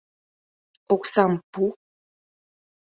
— Оксам пу.